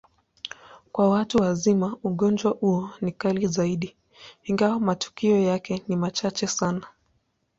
Kwa watu wazima, ugonjwa huo ni kali zaidi, ingawa matukio yake ni machache sana.